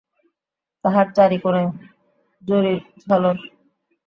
তাহার চারি কোণে জরির ঝালর।